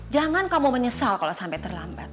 jangan kamu menyesal kalau sampai terlalu lama